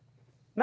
何？